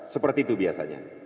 seperti itu biasanya